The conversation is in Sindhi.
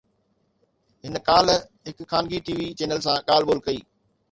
هن ڪالهه هڪ خانگي ٽي وي چينل سان ڳالهه ٻولهه ڪئي